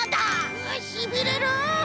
うしびれる！